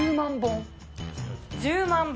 １０万本。